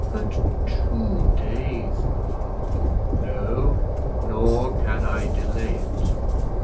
"But two days, papa " "No; nor can I delay it.